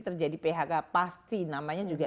terjadi phk pasti namanya juga